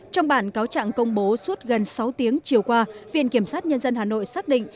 trong bản cáo trạng công bố suốt gần sáu tiếng chiều qua viện kiểm sát nhân dân hà nội xác định